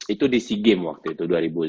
itu di sea games waktu itu